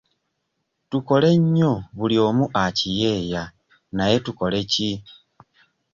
Tukole nnyo buli omu akiyeeya naye tukole Ki?